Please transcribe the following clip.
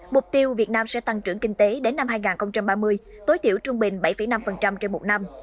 mục tiêu việt nam sẽ tăng trưởng kinh tế đến năm hai nghìn ba mươi tối tiểu trung bình bảy năm trên một năm